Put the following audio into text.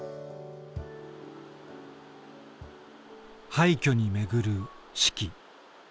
廃虚に巡る四季。